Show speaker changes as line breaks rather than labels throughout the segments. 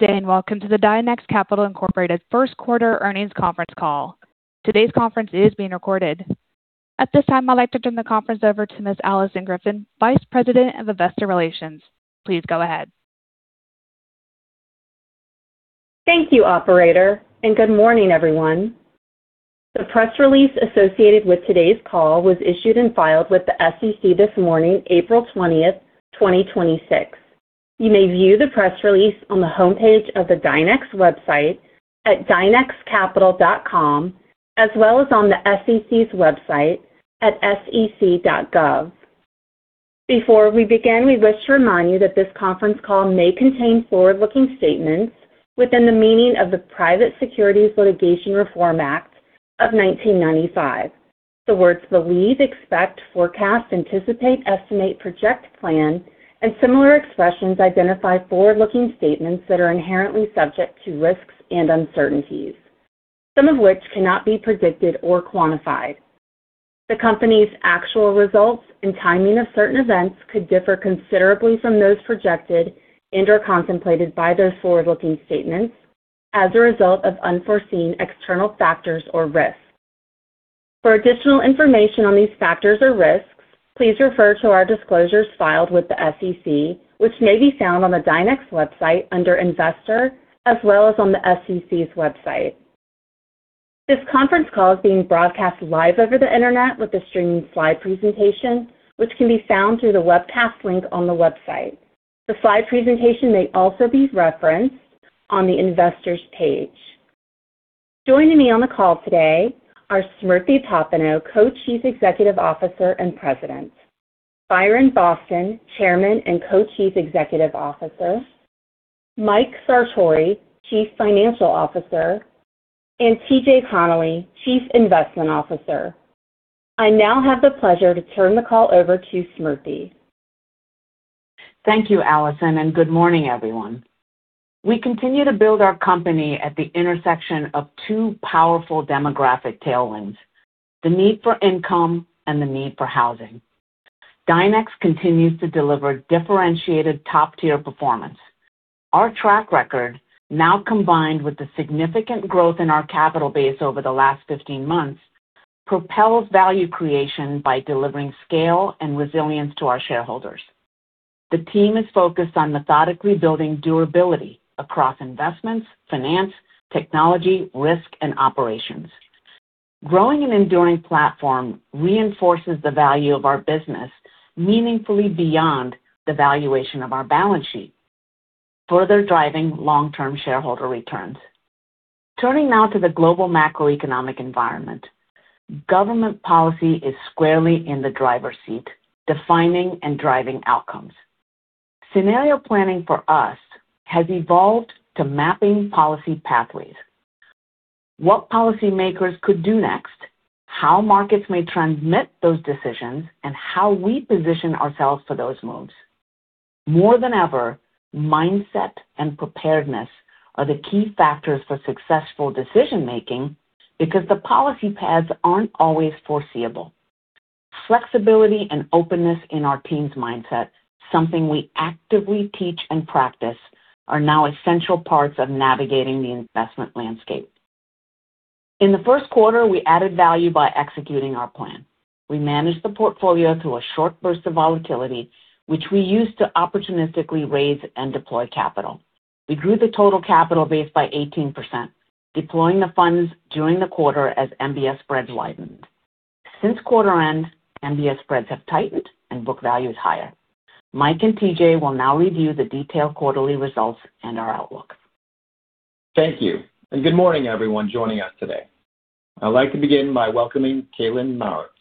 Good day, and welcome to the Dynex Capital Incorporated first quarter earnings conference call. Today's conference is being recorded. At this time, I'd like to turn the conference over to Ms. Alison Griffin, Vice President of Investor Relations. Please go ahead.
Thank you, operator, and good morning, everyone. The press release associated with today's call was issued and filed with the SEC this morning, April 20th, 2026. You may view the press release on the homepage of the Dynex website at dynexcapital.com, as well as on the SEC's website at sec.gov. Before we begin, we wish to remind you that this conference call may contain forward-looking statements within the meaning of the Private Securities Litigation Reform Act of 1995. The words believe, expect, forecast, anticipate, estimate, project, plan, and similar expressions identify forward-looking statements that are inherently subject to risks and uncertainties, some of which cannot be predicted or quantified. The company's actual results and timing of certain events could differ considerably from those projected and/or contemplated by those forward-looking statements as a result of unforeseen external factors or risks. For additional information on these factors or risks, please refer to our disclosures filed with the SEC, which may be found on the Dynex website under Investor, as well as on the SEC's website. This conference call is being broadcast live over the internet with a streaming slide presentation, which can be found through the webcast link on the website. The slide presentation may also be referenced on the Investors page. Joining me on the call today are Smriti Popenoe, Co-Chief Executive Officer and President, Byron Boston, Chairman and Co-Chief Executive Officer, Mike Sartori, Chief Financial Officer, and T.J. Connelly, Chief Investment Officer. I now have the pleasure to turn the call over to Smriti.
Thank you, Alison, and good morning, everyone. We continue to build our company at the intersection of two powerful demographic tailwinds, the need for income and the need for housing. Dynex continues to deliver differentiated top-tier performance. Our track record, now combined with the significant growth in our capital base over the last 15 months, propels value creation by delivering scale and resilience to our shareholders. The team is focused on methodically building durability across investments, finance, technology, risk, and operations. Growing an enduring platform reinforces the value of our business meaningfully beyond the valuation of our balance sheet, further driving long-term shareholder returns. Turning now to the global macroeconomic environment, government policy is squarely in the driver's seat, defining and driving outcomes. Scenario planning for us has evolved to mapping policy pathways. What policymakers could do next, how markets may transmit those decisions, and how we position ourselves for those moves. More than ever, mindset and preparedness are the key factors for successful decision-making because the policy paths aren't always foreseeable. Flexibility and openness in our team's mindset, something we actively teach and practice, are now essential parts of navigating the investment landscape. In the first quarter, we added value by executing our plan. We managed the portfolio through a short burst of volatility, which we used to opportunistically raise and deploy capital. We grew the total capital base by 18%, deploying the funds during the quarter as MBS spreads widened. Since quarter end, MBS spreads have tightened and book value is higher. Mike and T.J. will now review the detailed quarterly results and our outlook.
Thank you. Good morning everyone joining us today. I'd like to begin by welcoming [Kaitlyn Mauritz],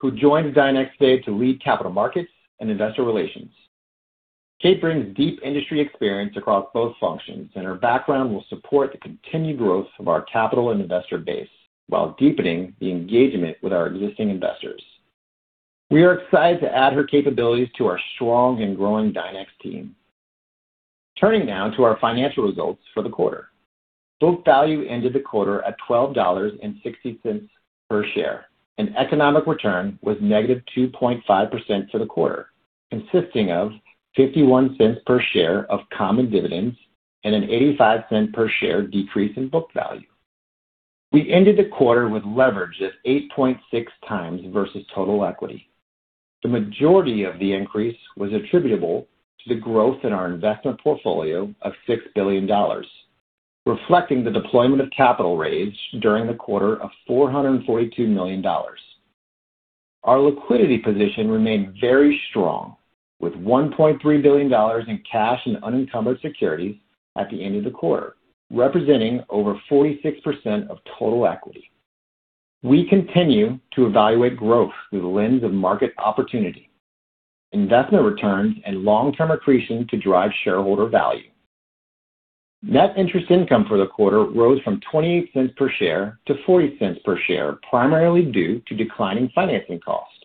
who joins Dynex today to lead Capital Markets and Investor Relations. [Kait] brings deep industry experience across both functions, and her background will support the continued growth of our capital and investor base while deepening the engagement with our existing investors. We are excited to add her capabilities to our strong and growing Dynex team. Turning now to our financial results for the quarter. Book value ended the quarter at $12.60 per share, and economic return was -2.5% for the quarter, consisting of $0.51 per share of common dividends and an $0.85 per share decrease in book value. We ended the quarter with leverage of 8.6x versus total equity. The majority of the increase was attributable to the growth in our investment portfolio of $6 billion, reflecting the deployment of capital raised during the quarter of $442 million. Our liquidity position remained very strong, with $1.3 billion in cash and unencumbered securities at the end of the quarter, representing over 46% of total equity. We continue to evaluate growth through the lens of market opportunity, investment returns, and long-term accretion to drive shareholder value. Net interest income for the quarter rose from $0.28 per share to $0.40 per share, primarily due to declining financing costs,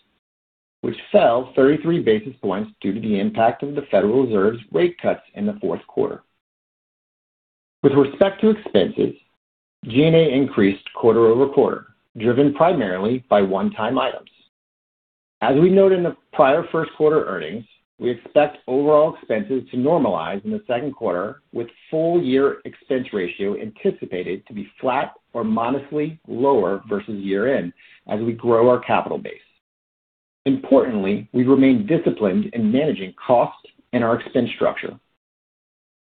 which fell 33 basis points due to the impact of the Federal Reserve's rate cuts in the fourth quarter. With respect to expenses, G&A increased quarter-over-quarter, driven primarily by one-time items. As we noted in the prior first quarter earnings, we expect overall expenses to normalize in the second quarter with full-year expense ratio anticipated to be flat or modestly lower versus year-end as we grow our capital base. Importantly, we remain disciplined in managing costs and our expense structure.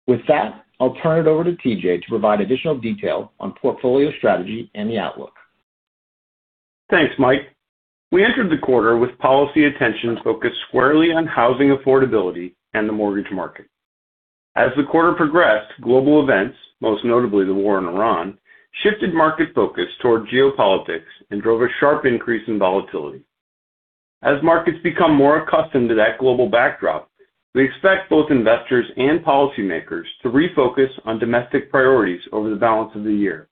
With that, I'll turn it over to T.J. to provide additional detail on portfolio strategy and the outlook.
Thanks, Mike. We entered the quarter with policy attention focused squarely on housing affordability and the mortgage market. As the quarter progressed, global events, most notably the war in Iran, shifted market focus toward geopolitics and drove a sharp increase in volatility. As markets become more accustomed to that global backdrop, we expect both investors and policymakers to refocus on domestic priorities over the balance of the year,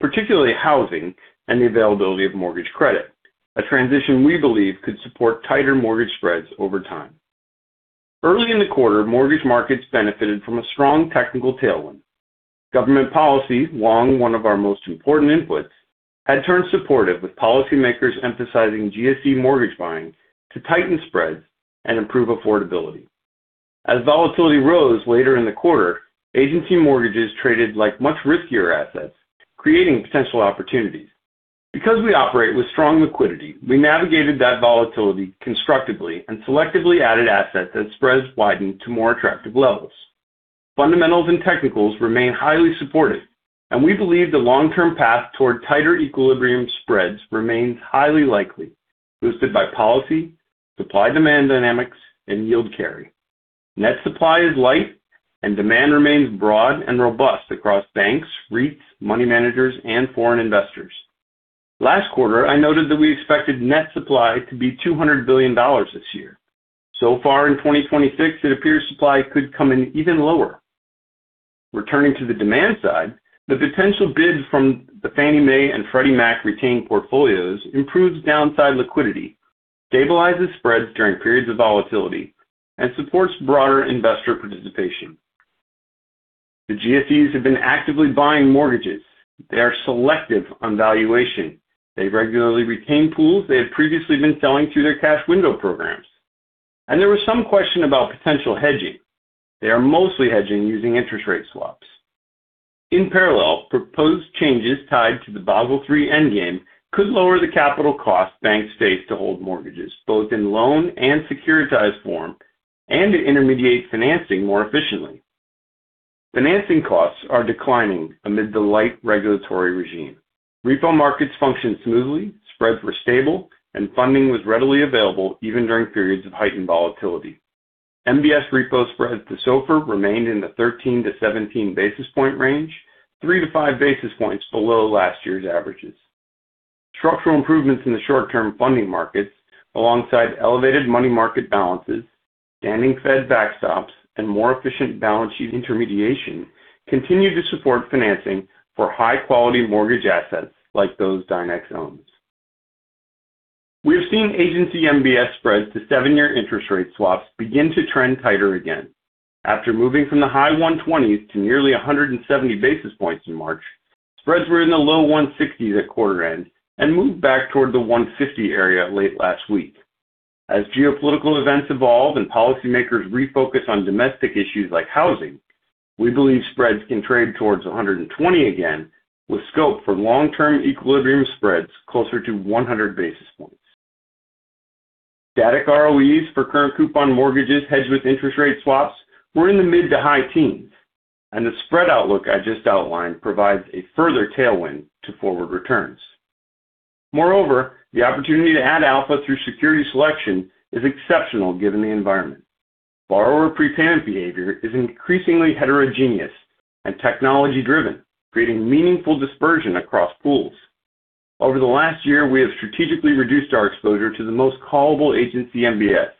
particularly housing and the availability of mortgage credit, a transition we believe could support tighter mortgage spreads over time. Early in the quarter, mortgage markets benefited from a strong technical tailwind. Government policy, long one of our most important inputs, had turned supportive, with policymakers emphasizing GSE mortgage buying to tighten spreads and improve affordability. As volatility rose later in the quarter, agency mortgages traded like much riskier assets, creating potential opportunities. Because we operate with strong liquidity, we navigated that volatility constructively and selectively added assets as spreads widened to more attractive levels. Fundamentals and technicals remain highly supportive, and we believe the long-term path toward tighter equilibrium spreads remains highly likely, boosted by policy, supply-demand dynamics, and yield carry. Net supply is light, and demand remains broad and robust across banks, REITs, money managers, and foreign investors. Last quarter, I noted that we expected net supply to be $200 billion this year. So far in 2026, it appears supply could come in even lower. Returning to the demand side, the potential bid from the Fannie Mae and Freddie Mac retained portfolios improves downside liquidity, stabilizes spreads during periods of volatility, and supports broader investor participation. The GSEs have been actively buying mortgages. They are selective on valuation. They regularly retain pools they had previously been selling through their cash window programs. There was some question about potential hedging. They are mostly hedging using interest rate swaps. In parallel, proposed changes tied to the Basel III Endgame could lower the capital cost banks face to hold mortgages, both in loan and securitized form, and to intermediate financing more efficiently. Financing costs are declining amid the light regulatory regime. Repo markets functioned smoothly, spreads were stable, and funding was readily available even during periods of heightened volatility. MBS repo spreads to SOFR remained in the 13 basis points-17 basis point range, 3 basis points-5 basis points below last year's averages. Structural improvements in the short-term funding markets, alongside elevated money market balances, standing Fed backstops, and more efficient balance sheet intermediation, continue to support financing for high-quality mortgage assets like those Dynex owns. We've seen agency MBS spreads to seven-year interest rate swaps begin to trend tighter again. After moving from the high 120 basis points to nearly 170 basis points in March, spreads were in the low 160 basis points at quarter end and moved back toward the 150 basis points area late last week. As geopolitical events evolve and policymakers refocus on domestic issues like housing, we believe spreads can trade towards 120 basis points again, with scope for long-term equilibrium spreads closer to 100 basis points. Static ROEs for current coupon mortgages hedged with interest rate swaps were in the mid- to high teens, and the spread outlook I just outlined provides a further tailwind to forward returns. Moreover, the opportunity to add alpha through security selection is exceptional given the environment. Borrower prepayment behavior is increasingly heterogeneous and technology-driven, creating meaningful dispersion across pools. Over the last year, we have strategically reduced our exposure to the most callable Agency MBS,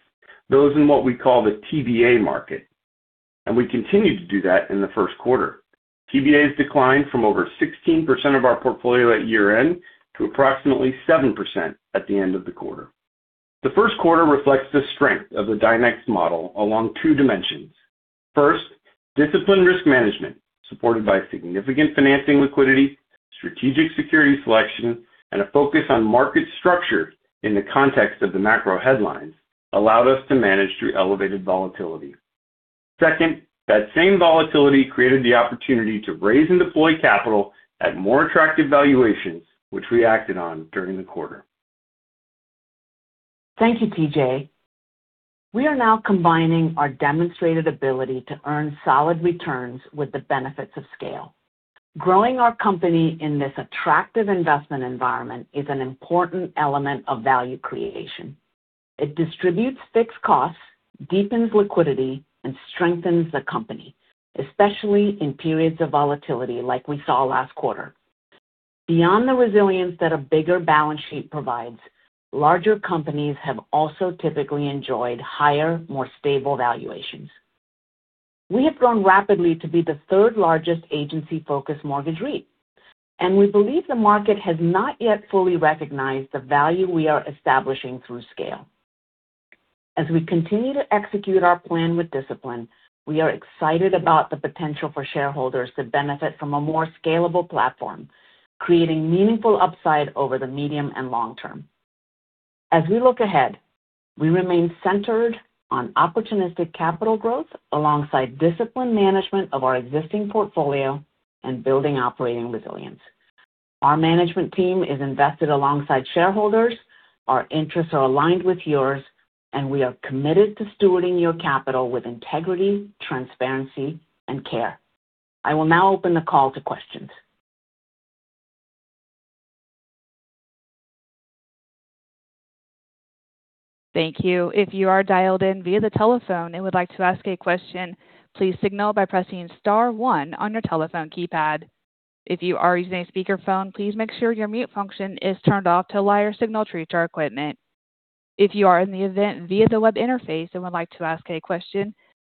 those in what we call the TBA market, and we continued to do that in the first quarter. TBAs declined from over 16% of our portfolio at year-end to approximately 7% at the end of the quarter. The first quarter reflects the strength of the Dynex model along two dimensions. First, disciplined risk management, supported by significant financing liquidity, strategic security selection, and a focus on market structure in the context of the macro headlines allowed us to manage through elevated volatility. Second, that same volatility created the opportunity to raise and deploy capital at more attractive valuations, which we acted on during the quarter.
Thank you, T.J. We are now combining our demonstrated ability to earn solid returns with the benefits of scale. Growing our company in this attractive investment environment is an important element of value creation. It distributes fixed costs, deepens liquidity, and strengthens the company, especially in periods of volatility, like we saw last quarter. Beyond the resilience that a bigger balance sheet provides, larger companies have also typically enjoyed higher, more stable valuations. We have grown rapidly to be the third-largest agency-focused mortgage REIT, and we believe the market has not yet fully recognized the value we are establishing through scale. As we continue to execute our plan with discipline, we are excited about the potential for shareholders to benefit from a more scalable platform, creating meaningful upside over the medium and long term. As we look ahead, we remain centered on opportunistic capital growth alongside disciplined management of our existing portfolio and building operating resilience. Our management team is invested alongside shareholders, our interests are aligned with yours, and we are committed to stewarding your capital with integrity, transparency, and care. I will now open the call to questions.
Thank you. If you are dialed in via the telephone and would like to ask a question, please signal by pressing star one on your telephone keypad. If you are using a speakerphone, please make sure your mute function is turned off to allow your signal through to our equipment. If you are in the event via the web interface and would like to ask a question,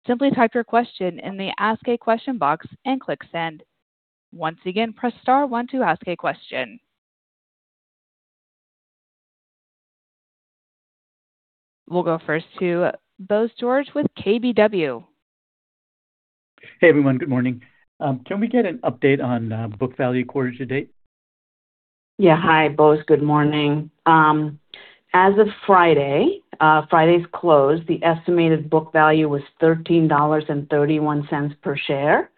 simply type your question in the Ask a Question box and click Send. Once again, press star one to ask a question. We'll go first to Bose George with KBW.
Hey, everyone. Good morning. Can we get an update on book value quarter to date?
Yeah. Hi, Bose. Good morning. As of Friday's close, the estimated book value was $13.31 per share,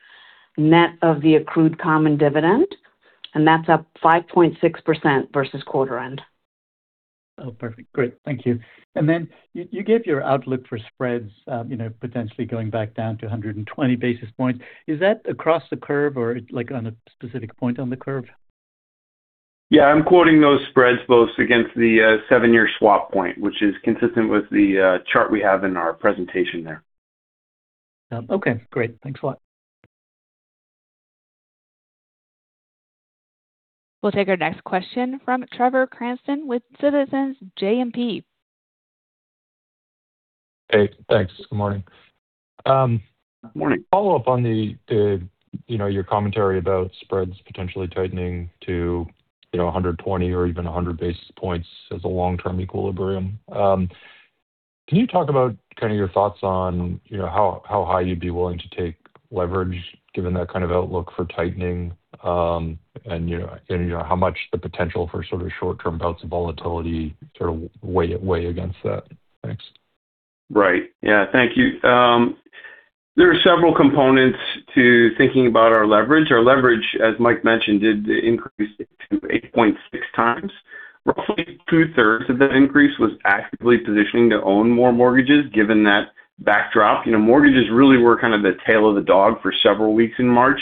net of the accrued common dividend, and that's up 5.6% versus quarter end.
Oh, perfect. Great. Thank you. You gave your outlook for spreads potentially going back down to 120 basis points. Is that across the curve or on a specific point on the curve?
Yeah, I'm quoting those spreads, Bose, against the seven-year swap point, which is consistent with the chart we have in our presentation there.
Okay, great. Thanks a lot.
We'll take our next question from Trevor Cranston with Citizens JMP.
Hey, thanks. Good morning.
Morning.
Follow up on your commentary about spreads potentially tightening to 120 basis points or even 100 basis points as a long-term equilibrium. Can you talk about your thoughts on how high you'd be willing to take leverage given that kind of outlook for tightening? How much the potential for sort of short-term bouts of volatility sort of weigh against that? Thanks.
Right. Yeah. Thank you. There are several components to thinking about our leverage. Our leverage, as Mike mentioned, did increase it to 8.6x. Roughly 2/3 of that increase was actively positioning to own more mortgages given that backdrop. Mortgages really were kind of the tail of the dog for several weeks in March.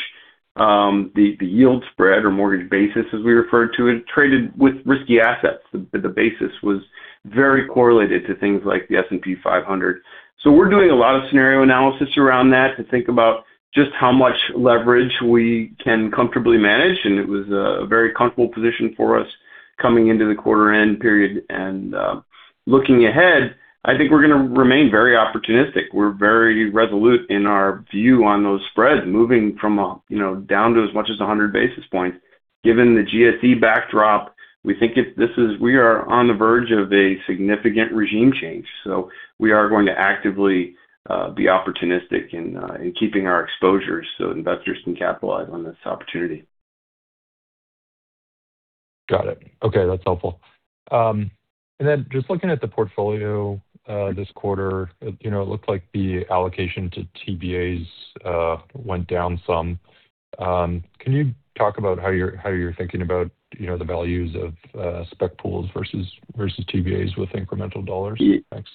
The yield spread or mortgage basis, as we refer to it, traded with risky assets. The basis was very correlated to things like the S&P 500. We're doing a lot of scenario analysis around that to think about just how much leverage we can comfortably manage, and it was a very comfortable position for us coming into the quarter end period. Looking ahead, I think we're going to remain very opportunistic. We're very resolute in our view on those spreads moving from down to as much as 100 basis points. Given the GSE backdrop, we think we are on the verge of a significant regime change. We are going to actively be opportunistic in keeping our exposures so investors can capitalize on this opportunity.
Got it. Okay. That's helpful. Just looking at the portfolio this quarter, it looked like the allocation to TBAs went down some. Can you talk about how you're thinking about the values of spec pools versus TBAs with incremental dollars? Thanks.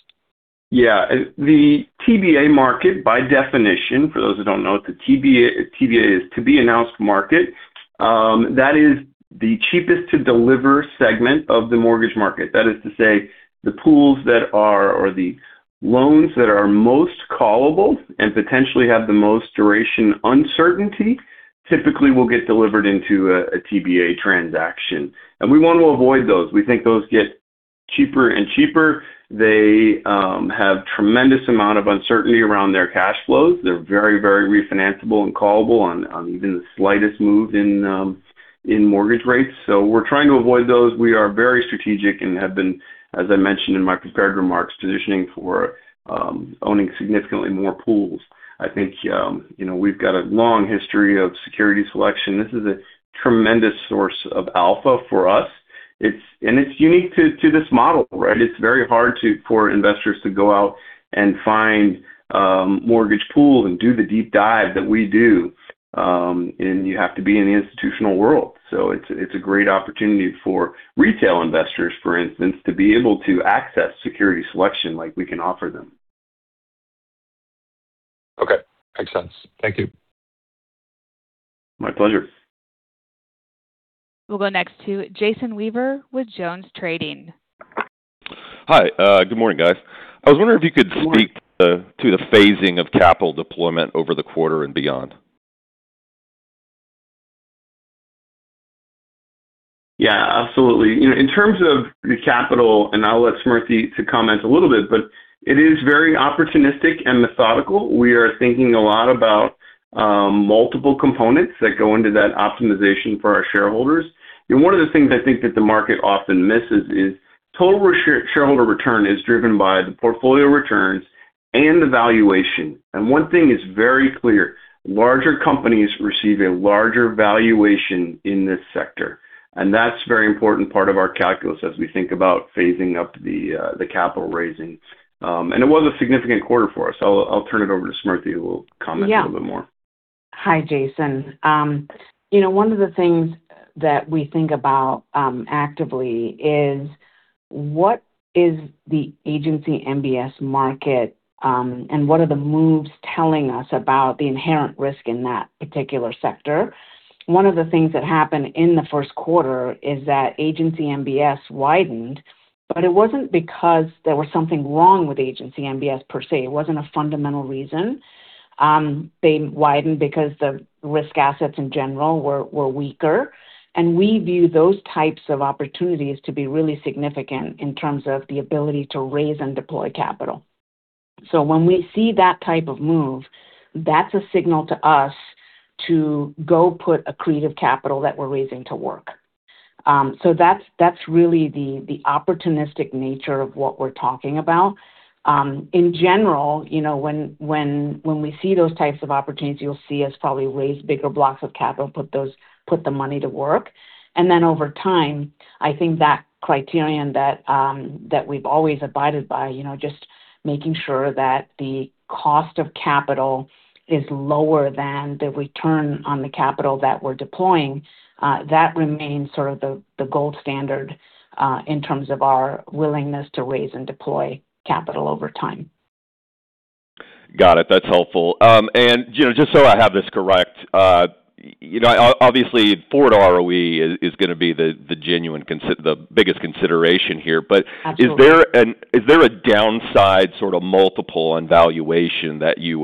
Yeah. The TBA market by definition, for those who don't know, the TBA is to be announced market. That is the cheapest to deliver segment of the mortgage market. That is to say, the pools that are or the loans that are most callable and potentially have the most duration uncertainty typically will get delivered into a TBA transaction. We want to avoid those. We think those get cheaper and cheaper. They have tremendous amount of uncertainty around their cash flows. They're very refinanceable and callable on even the slightest move in mortgage rates. We're trying to avoid those. We are very strategic and have been, as I mentioned in my prepared remarks, positioning for owning significantly more pools. I think we've got a long history of security selection. This is a tremendous source of alpha for us. It's unique to this model, right? It's very hard for investors to go out and find mortgage pools and do the deep dive that we do. You have to be in the institutional world. It's a great opportunity for retail investors, for instance, to be able to access security selection like we can offer them.
Okay. Makes sense. Thank you.
My pleasure.
We'll go next to Jason Weaver with JonesTrading.
Hi. Good morning, guys. I was wondering if you could speak to the phasing of capital deployment over the quarter and beyond.
Yeah, absolutely. In terms of the capital, and I'll let Smriti to comment a little bit, but it is very opportunistic and methodical. We are thinking a lot about multiple components that go into that optimization for our shareholders. One of the things I think that the market often misses is total shareholder return is driven by the portfolio returns and the valuation. One thing is very clear, larger companies receive a larger valuation in this sector. That's very important part of our calculus as we think about phasing up the capital raising. It was a significant quarter for us. I'll turn it over to Smriti who will comment a little bit more.
Yeah. Hi, Jason. One of the things that we think about actively is what is the Agency MBS market, and what are the moves telling us about the inherent risk in that particular sector? One of the things that happened in the first quarter is that Agency MBS widened, but it wasn't because there was something wrong with Agency MBS per se. It wasn't a fundamental reason. They widened because the risk assets in general were weaker. We view those types of opportunities to be really significant in terms of the ability to raise and deploy capital. When we see that type of move, that's a signal to us to go put accretive capital that we're raising to work. That's really the opportunistic nature of what we're talking about. In general, when we see those types of opportunities, you'll see us probably raise bigger blocks of capital, put the money to work. Over time, I think that criterion that we've always abided by, just making sure that the cost of capital is lower than the return on the capital that we're deploying, that remains sort of the gold standard, in terms of our willingness to raise and deploy capital over time.
Got it. That's helpful. Just so I have this correct, obviously forward ROE is going to be the biggest consideration here.
Absolutely.
Is there a downside sort of multiple and valuation that you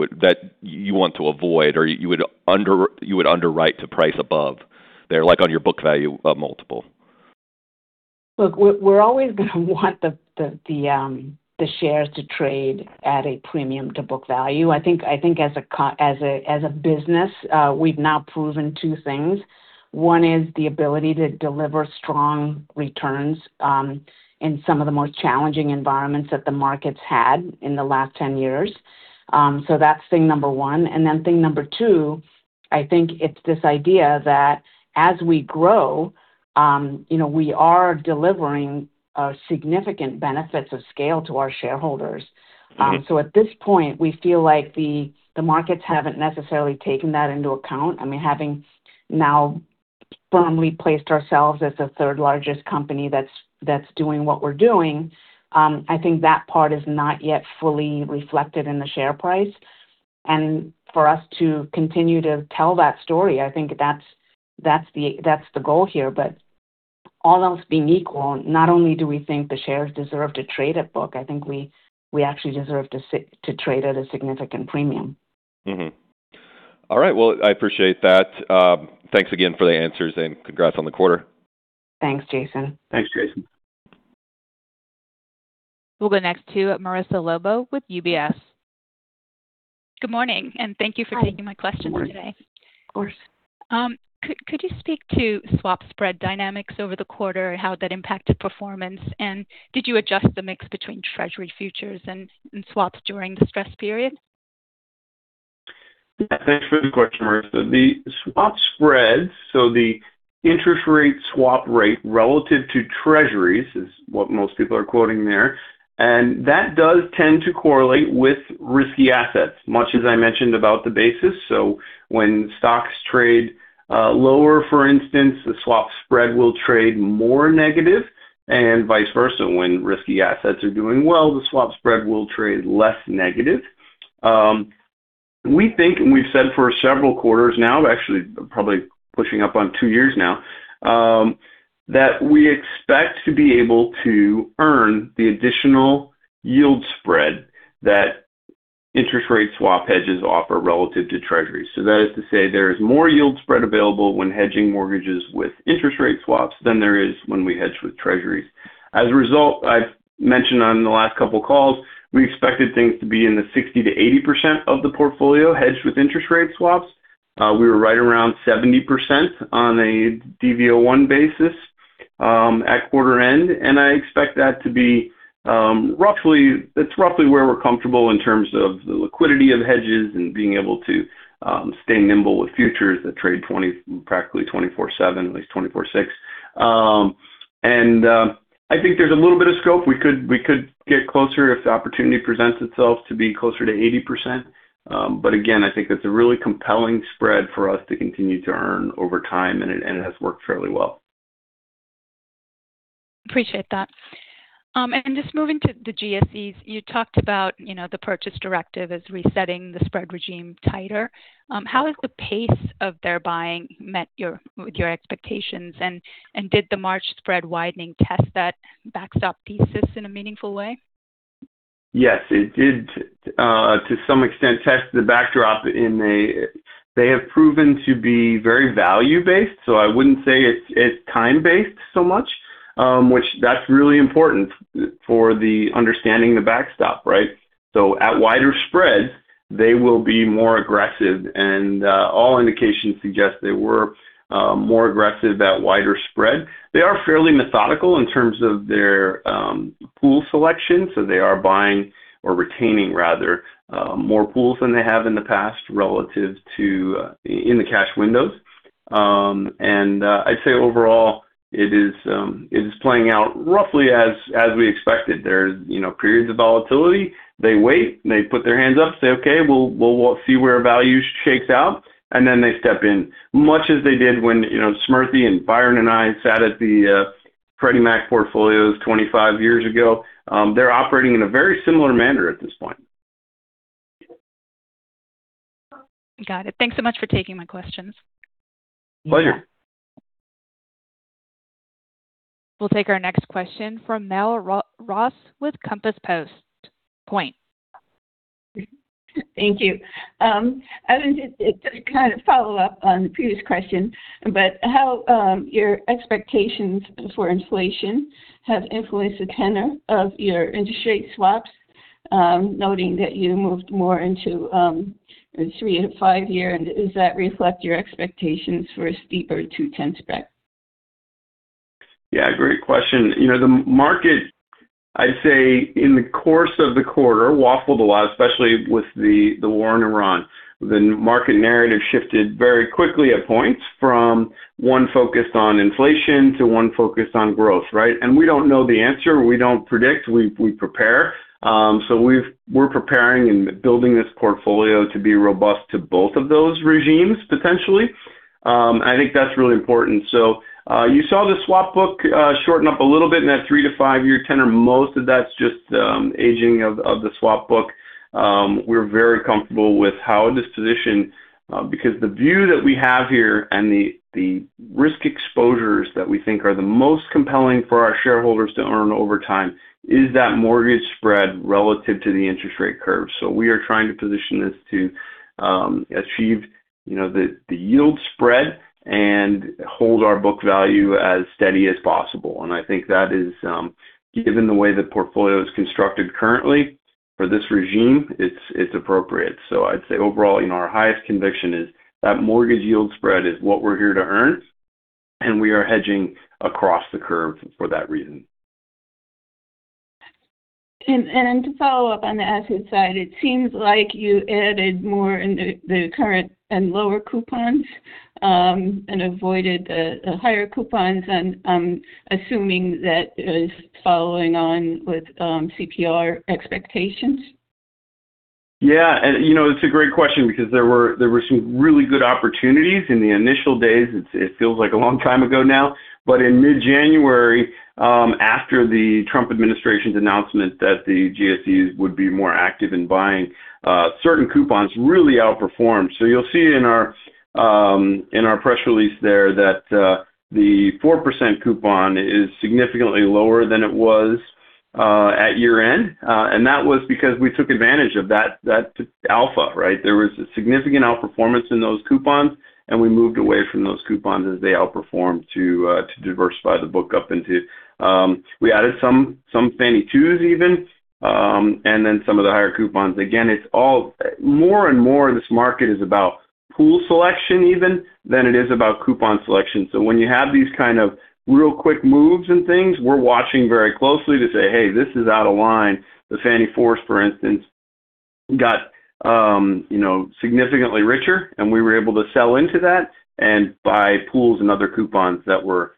want to avoid or you would underwrite to price above there, like on your book value multiple?
Look, we're always going to want the shares to trade at a premium to book value. I think as a business, we've now proven two things. One is the ability to deliver strong returns in some of the more challenging environments that the market's had in the last 10 years. That's thing number one. Thing number two, I think it's this idea that as we grow, we are delivering significant benefits of scale to our shareholders.
Mm-hmm.
At this point, we feel like the markets haven't necessarily taken that into account. I mean, having now firmly placed ourselves as the third largest company that's doing what we're doing, I think that part is not yet fully reflected in the share price. For us to continue to tell that story, I think that's the goal here. All else being equal, not only do we think the shares deserve to trade at book, I think we actually deserve to trade at a significant premium.
Mm-hmm. All right. Well, I appreciate that. Thanks again for the answers and congrats on the quarter.
Thanks, Jason.
Thanks, Jason.
We'll go next to Marissa Lobo with UBS.
Good morning, and thank you for taking my question today.
Of course.
Could you speak to swap spread dynamics over the quarter? How that impacted performance, and did you adjust the mix between Treasury futures and swaps during the stress period?
Thanks for the question, Marissa. The swap spread, so the interest rate swap rate relative to Treasuries is what most people are quoting there. That does tend to correlate with risky assets, much as I mentioned about the basis. When stocks trade lower, for instance, the swap spread will trade more negative and vice versa. When risky assets are doing well, the swap spread will trade less negative. We think, and we've said for several quarters now, actually probably pushing up on two years now, that we expect to be able to earn the additional yield spread that interest rate swap hedges offer relative to Treasuries. That is to say there is more yield spread available when hedging mortgages with interest rate swaps than there is when we hedge with Treasuries. As a result, I've mentioned on the last couple of calls, we expected things to be in the 60%-80% of the portfolio hedged with interest rate swaps. We were right around 70% on a DV01 basis at quarter end, and I expect that to be roughly where we're comfortable in terms of the liquidity of hedges and being able to stay nimble with futures that trade practically 24/7, at least 24/6. I think there's a little bit of scope. We could get closer if the opportunity presents itself to be closer to 80%. Again, I think that's a really compelling spread for us to continue to earn over time and it has worked fairly well.
Appreciate that. Just moving to the GSEs, you talked about the purchase directive as resetting the spread regime tighter. How has the pace of their buying met your expectations and did the March spread widening test that backstop thesis in a meaningful way?
Yes. It did to some extent test the backdrop, and they have proven to be very value-based. I wouldn't say it's time-based so much, with that's really important for understanding the backstop, right? At wider spreads, they will be more aggressive and all indications suggest they were more aggressive at wider spread. They are fairly methodical in terms of their pool selection, so they are buying or retaining, rather, more pools than they have in the past relative to in the cash windows. I'd say overall, it is playing out roughly as we expected. There's periods of volatility. They wait, they put their hands up, say, "Okay, we'll see where value shakes out," and then they step in. Much as they did when Smriti and Byron and I sat at the Freddie Mac portfolios 25 years ago. They're operating in a very similar manner at this point.
Got it. Thanks so much for taking my questions.
Pleasure.
We'll take our next question from Merrill Ross with Compass Point.
Thank you. I wanted to kind of follow up on the previous question, but how have your expectations for inflation influenced the tenor of your interest rate swaps, noting that you moved more into the three- and five-year, and does that reflect your expectations for a steeper two to 10 spread?
Yeah, great question. The market, I'd say, in the course of the quarter waffled a lot, especially with the war in Iran. The market narrative shifted very quickly at points from one focused on inflation to one focused on growth, right? We don't know the answer. We don't predict. We prepare. We're preparing and building this portfolio to be robust to both of those regimes, potentially. I think that's really important. You saw the swap book shorten up a little bit in that three-to five-year tenor. Most of that's just aging of the swap book. We're very comfortable with how it's positioned because the view that we have here and the risk exposures that we think are the most compelling for our shareholders to earn over time is that mortgage spread relative to the interest rate curve. We are trying to position this to achieve the yield spread and hold our book value as steady as possible. I think that is, given the way the portfolio is constructed currently for this regime, it's appropriate. I'd say overall, our highest conviction is that mortgage yield spread is what we're here to earn, and we are hedging across the curve for that reason.
To follow up on the asset side, it seems like you added more in the current and lower coupons, and avoided the higher coupons, and I'm assuming that is following on with CPR expectations.
Yeah. It's a great question because there were some really good opportunities in the initial days. It feels like a long time ago now. In mid-January, after the Trump administration's announcement that the GSEs would be more active in buying, certain coupons really outperformed. You'll see in our press release there that the 4% coupon is significantly lower than it was at year-end. That was because we took advantage of that alpha, right? There was a significant outperformance in those coupons, and we moved away from those coupons as they outperformed to diversify the book up into we added some Fannie 2s even, and then some of the higher coupons. Again, it's all more and more this market is about pool selection even, than it is about coupon selection. When you have these kind of real quick moves and things, we're watching very closely to say, "Hey, this is out of line." The Fannie 4s, for instance, got significantly richer, and we were able to sell into that and buy pools and other coupons that were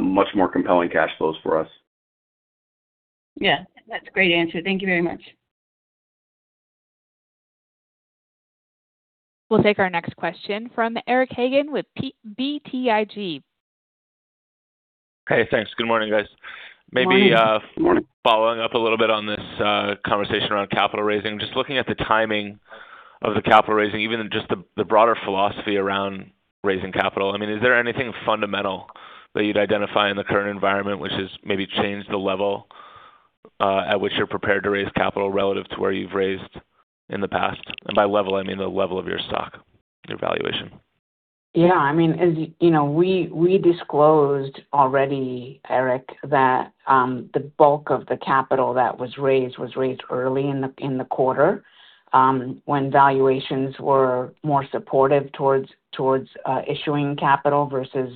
much more compelling cash flows for us.
Yeah. That's a great answer. Thank you very much.
We'll take our next question from Eric Hagen with BTIG.
Hey, thanks. Good morning, guys.
Good morning.
Maybe following up a little bit on this conversation around capital raising. Just looking at the timing of the capital raising, even just the broader philosophy around raising capital. I mean, is there anything fundamental that you'd identify in the current environment which has maybe changed the level at which you're prepared to raise capital relative to where you've raised in the past? By level, I mean the level of your stock, your valuation.
Yeah. I mean, we disclosed already, Eric, that the bulk of the capital that was raised was raised early in the quarter, when valuations were more supportive towards issuing capital versus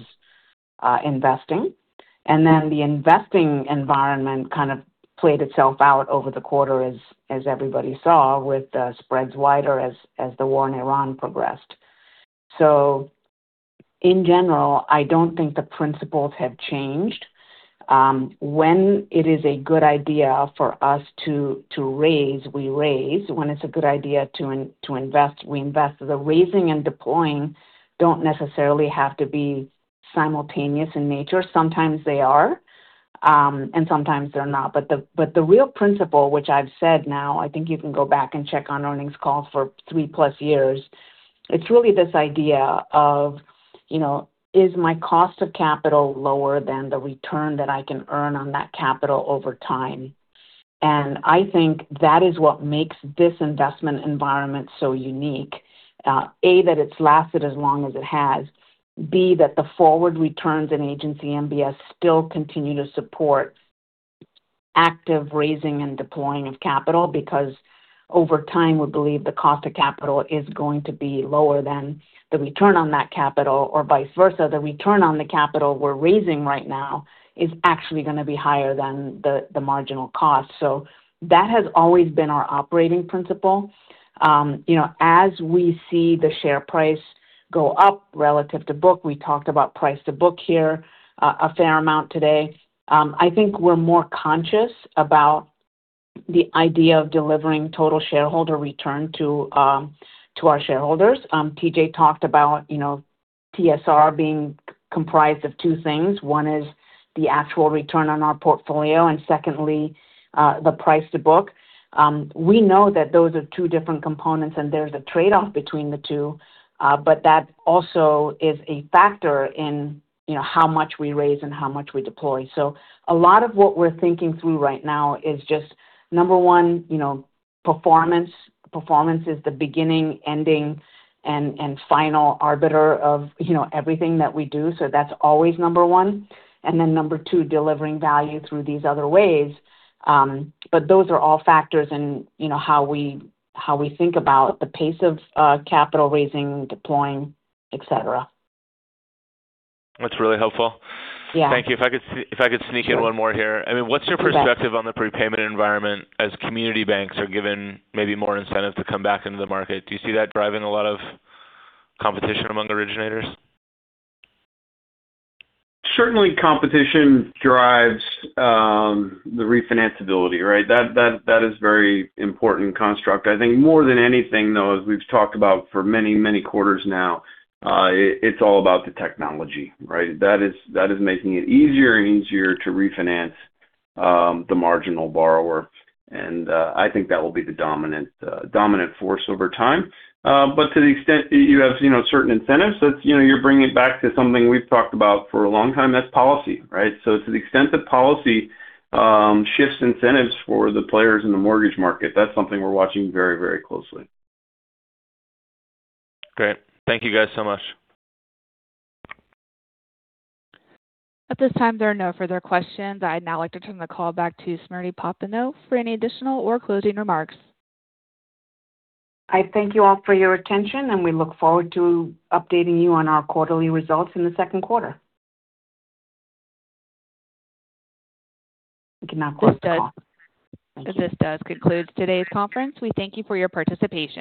investing. The investing environment kind of played itself out over the quarter as everybody saw with the spreads wider as the war in Iran progressed. In general, I don't think the principles have changed. When it is a good idea for us to raise, we raise. When it's a good idea to invest, we invest. The raising and deploying don't necessarily have to be simultaneous in nature. Sometimes they are, and sometimes they're not. The real principle, which I've said now, I think you can go back and check on earnings call for 3+ years. It's really this idea of, is my cost of capital lower than the return that I can earn on that capital over time? I think that is what makes this investment environment so unique. A, that it's lasted as long as it has. B, that the forward returns in Agency MBS still continue to support active raising and deploying of capital, because over time, we believe the cost of capital is going to be lower than the return on that capital or vice versa. The return on the capital we're raising right now is actually going to be higher than the marginal cost. that has always been our operating principle. As we see the share price go up relative to book, we talked about price to book here a fair amount today. I think we're more conscious about the idea of delivering total shareholder return to our shareholders. T.J. talked about TSR being comprised of two things. One is the actual return on our portfolio, and secondly, the price to book. We know that those are two different components and there's a trade-off between the two. That also is a factor in how much we raise and how much we deploy. A lot of what we're thinking through right now is just, number one, performance. Performance is the beginning, ending, and final arbiter of everything that we do. That's always number one. Then number two, delivering value through these other ways. Those are all factors in how we think about the pace of capital raising, deploying, et cetera.
That's really helpful.
Yeah.
Thank you. If I could sneak in one more here.
You bet.
What's your perspective on the prepayment environment as community banks are given maybe more incentive to come back into the market? Do you see that driving a lot of competition among originators?
Certainly, competition drives the refinance ability, right? That is very important construct. I think more than anything, though, as we've talked about for many, many quarters now, it's all about the technology, right? That is making it easier and easier to refinance the marginal borrower. I think that will be the dominant force over time. To the extent you have certain incentives, you're bringing it back to something we've talked about for a long time, that's policy, right? To the extent that policy shifts incentives for the players in the mortgage market, that's something we're watching very, very closely.
Great. Thank you guys so much.
At this time, there are no further questions. I'd now like to turn the call back to Smriti Popenoe for any additional or closing remarks.
I thank you all for your attention, and we look forward to updating you on our quarterly results in the second quarter. You can now close the call. Thank you.
This does conclude today's conference. We thank you for your participation.